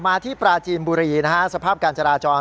มาที่ปราจีนบุรีนะฮะสภาพการจราจร